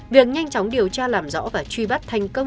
việc nhanh chóng điều tra làm rõ và truy bắt thành công